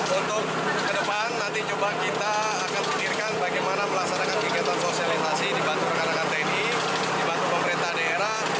untuk ke depan nanti coba kita akan pikirkan bagaimana melaksanakan kegiatan sosialisasi dibantu rekan rekan tni dibantu pemerintah daerah